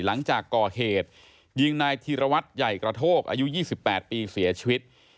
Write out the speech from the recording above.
หลังจากก่อเหตุยิงนายธีรวัตรใหญ่กระโทกอายุ๒๘ปีเสียชีวิต